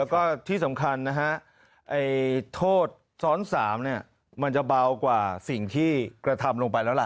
แล้วก็ที่สำคัญนะฮะโทษซ้อน๓มันจะเบากว่าสิ่งที่กระทำลงไปแล้วล่ะ